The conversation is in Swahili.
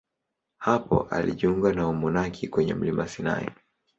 Hapo alijiunga na umonaki kwenye mlima Sinai.